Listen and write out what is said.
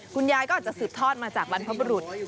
คุณยายก็อาจจะสืบทอดมาจากบรรพบรุษ